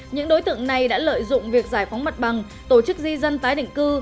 những đối tượng này đã lợi dụng việc giải phóng mặt bằng tổ chức di dân tái định cư